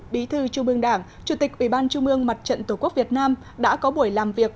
bí thư trung ương đảng chủ tịch ủy ban trung ương mặt trận tổ quốc việt nam đã có buổi làm việc